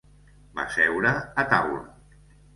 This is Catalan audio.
Va seure a taula.